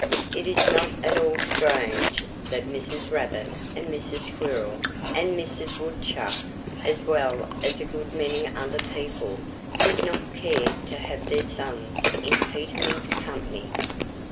It is not at all strange that Mrs. Rabbit and Mrs. Squirrel and Mrs. Woodchuck as well as a good many other people did not care to have their sons in Peter Mink's company.